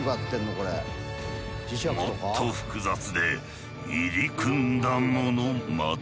もっと複雑で入り組んだものまで。